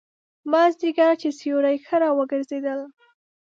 مازیګر چې سیوري ښه را وګرځېدل.